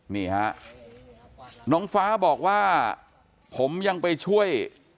นี่ฮะน้องฟ้าบอกว่าผมยังไปช่วย